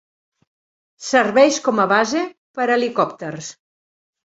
Serveix com a base per a helicòpters.